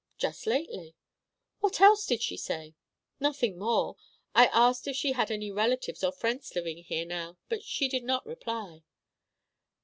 "Just lately." "What else did she say?" "Nothing more. I asked if she had any relatives or friends living here now, but she did not reply."